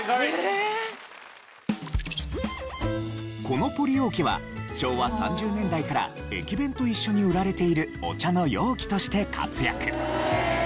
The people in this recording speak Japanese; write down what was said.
このポリ容器は昭和３０年代から駅弁と一緒に売られているお茶の容器として活躍。